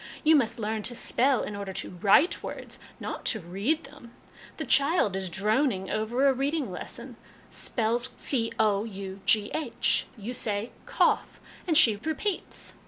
You must learn to spell in order to write words, not to read them. A child is droning over a reading lesson, spells cough; you say ' cough,' and she repeats.